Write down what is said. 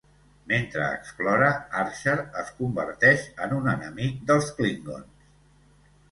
Mentre explora, Archer es converteix en un enemic dels klingons.